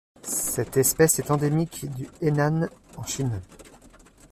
Cette espèce est endémique du Henan en Chine.